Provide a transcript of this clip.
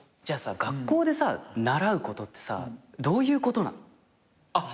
じゃあ学校で習うことってさどういうことなの？